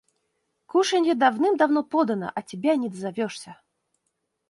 – Кушанье давным-давно подано, а тебя не дозовешься».